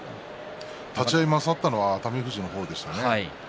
立ち合い勝ったのは熱海富士の方でしたね。